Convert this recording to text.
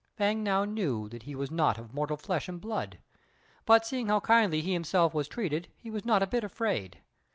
Fêng now knew that he was not of mortal flesh and blood; but, seeing how kindly he himself was treated, he was not a bit afraid.